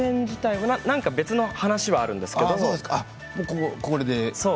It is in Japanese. なんか別の話があるんですけれど。